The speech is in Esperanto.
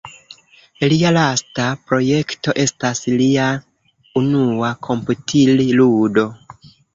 Lia lasta projekto estas lia unua komputil-ludo!